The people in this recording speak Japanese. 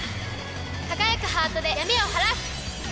輝くハートで闇を晴らす！